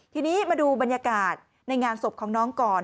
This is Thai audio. ทีนี้มาดูบรรยากาศในงานศพของน้องก่อน